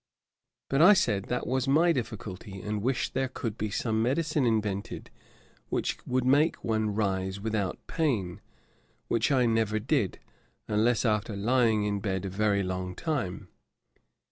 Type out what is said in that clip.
But I said that was my difficulty; and wished there could be some medicine invented which would make one rise without pain, which I never did, unless after lying in bed a very long time.